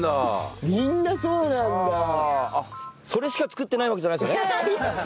それしか作ってないわけじゃないですよね？